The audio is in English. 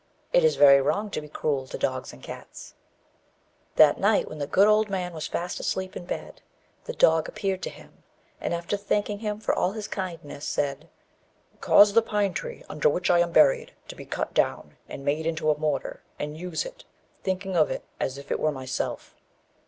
It is very wrong to be cruel to dogs and cats. [Illustration: THE OLD MAN WHO CAUSED WITHERED TREES TO FLOWER.] That night, when the good old man was fast asleep in bed, the dog appeared to him, and, after thanking him for all his kindness, said "Cause the pine tree, under which, I am buried, to be cut down and made into a mortar, and use it, thinking of it as if it were myself."